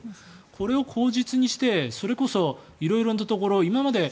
これを口実にしてそれこそ色々なところ今まで